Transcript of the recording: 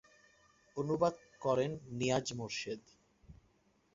অনুবাদ করেন নিয়াজ মোরশেদ।